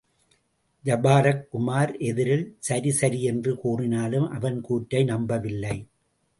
ஜபாரக் உமார் எதிரில் சரி சரி என்று கூறினாலும், அவன் கூற்றை நம்பவில்லை.